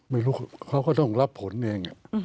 ไม่รู้เขาก็ต้องรับผลเอง